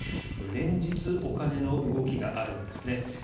連日お金の動きがあるんですね。